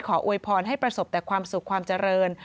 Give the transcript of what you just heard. โวยพรให้ประสบแต่ความสุขความเจริญ